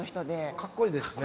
かっこいいですね。